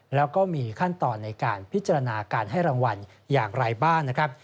แล้วก็มีขั้นตอนในการพิจารณาการให้รางวัลอย่างไรบ้างนะครับ